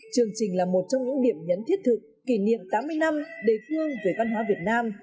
chương trình là một trong những điểm nhấn thiết thực kỷ niệm tám mươi năm đề phương về văn hóa việt nam